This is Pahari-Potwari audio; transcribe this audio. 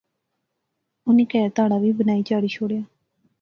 انی کہھر ٹہارا وی بنائی چاڑی شوڑیا